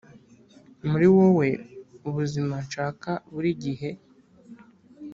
muri wowe ubuzima nshaka burigihe.